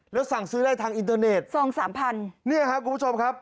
แล้วสั่งซื้อได้ทางอินเตอร์เน็ตซองสามพันเนี่ยครับคุณผู้ชมครับ